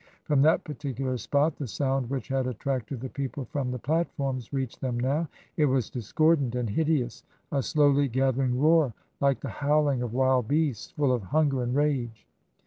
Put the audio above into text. From that particular spot the sound which had attracted the people from the platforms reached them now; it was discordant and hideous — a slowly gathering roar like the howling of wild beasts full of hunger and rage.